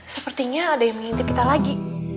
sepertinya ada yang mengintip kita lagi